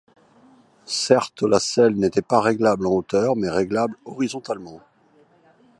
Certes la selle n’était pas réglable en hauteur, mais réglable horizontalement.